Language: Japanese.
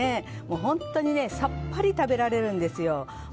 本当にさっぱり食べられるんですよ。